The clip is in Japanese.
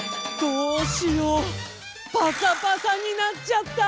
どうしようパサパサになっちゃった！